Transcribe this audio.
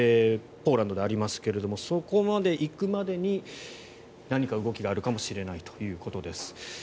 ポーランドでありますがそこまで行くまでに何か動きがあるかもしれないということです。